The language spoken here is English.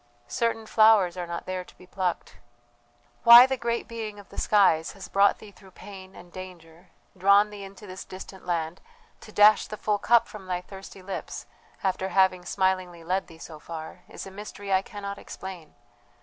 "Certain flowers are not there to be plucked. "Why the great Being of the skies has brought thee through pain and danger, drawn thee into this distant land, to dash the full cup from thy thirsty lips, after having smilingly led thee so far is a mystery I cannot explain.